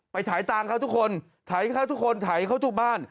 ไปถ่ายตังครับทุกคนถ่ายครับทุกคนถ่ายเข้าทุกบ้าน